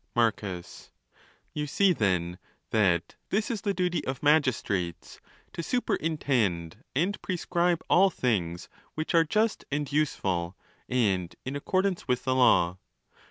Marcus.—You see, then, that this is the duty of magis trates, to superintend and prescribe all things which are just and useful, and in accordance with the law.